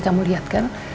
kamu lihat kan